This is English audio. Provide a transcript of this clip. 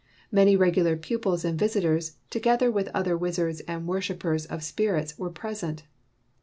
Many regu lar pupils and visitors, together with other wizards and worshipers of the spirits, were present.